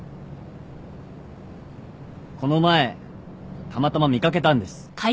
この前たまたま見掛けたんです。